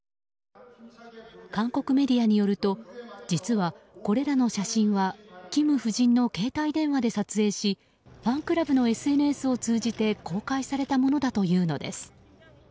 韓国メディアによると実は、これらの写真はキム夫人の携帯電話で撮影しファンクラブのＳＮＳを通じて公開されたものだというのです。